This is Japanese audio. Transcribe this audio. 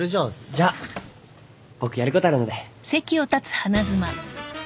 じゃ僕やることあるので。